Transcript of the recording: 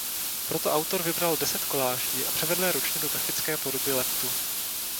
Proto autor vybral deset koláží a převedl je ručně do grafické podoby leptu.